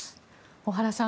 小原さん